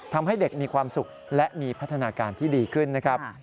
ทำให้เด็กมีความสุขและมีพัฒนาการที่ดีขึ้นนะครับ